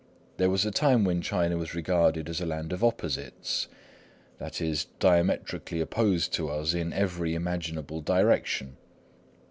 There was a time when China was regarded as a Land of Opposites, i.e. diametrically opposed to us in every imaginable direction.